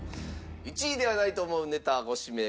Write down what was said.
１位ではないと思うネタご指名ください。